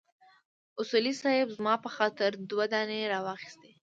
اصولي صیب زما په خاطر دوه دانې راواخيستې.